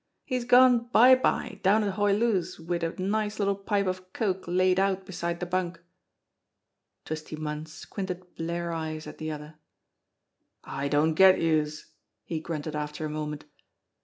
"He's gone bye bye down at Hoy Loo's wid a nice little pipe of coke laid out beside de bunk." Twisty Munn squinted blear eyes at the other. "I don't get youse!" he grunted after a moment.